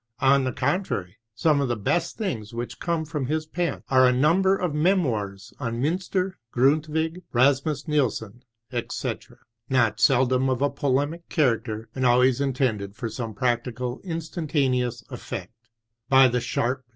On the con trary, some of the best things which came from his pen are a number of memoirs on Mynster, Grundtvig, Rasmus Nielsen, etc.. not seldom of a polemical character, and al ways intended for some practical, instantane ous effect. By the sharp.